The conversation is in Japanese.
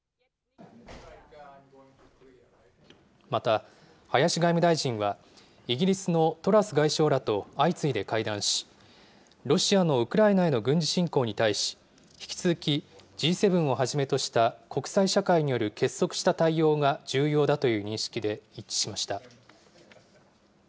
また、林外務大臣は、イギリスのトラス外相らと相次いで会談し、ロシアのウクライナへの軍事侵攻に対し、引き続きＧ７をはじめとした国際社会による結束した対応が重要だという認識で一致しました。